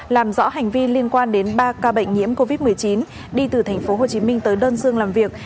làm rõ hành vi liên quan đến ba ca bệnh nhiễm covid một mươi chín đi từ tp hcm tới đơn dương làm việc